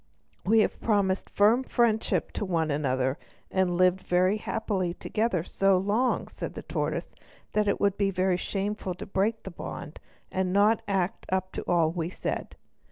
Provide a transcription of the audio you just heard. "We have promised firm friendship to one another and lived very happily together so long," said the tortoise, "that it would be shameful to break the bond and not act up to all we said.